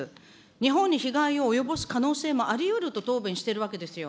日本に被害を及ぼす可能性もありうると答弁してるわけですよ。